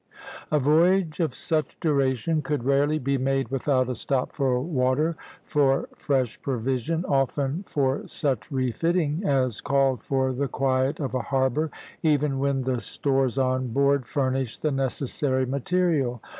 A voyage of such duration could rarely be made without a stop for water, for fresh provision, often for such refitting as called for the quiet of a harbor, even when the stores on board furnished the necessary material.